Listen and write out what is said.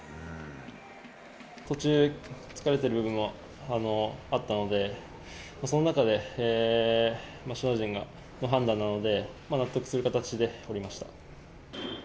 途中、疲れてる部分もあったので、その中で首脳陣の判断なので、納得する形で降りました。